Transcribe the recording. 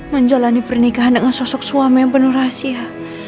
menjalani pernikahan dengan sosok suami yang penuh rahasia